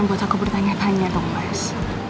mas jangan buat aku bertanya tanya dong mas